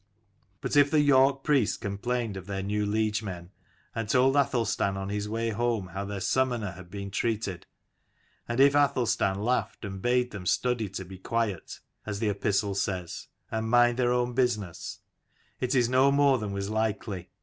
But if the York priests complained of their new liege men, and told Athelstan on his way home how their summoner had been treated; and if Athelstan laughed and bade them study to be quiet, as the epistle says, and mind their own business : it is no more than was likely.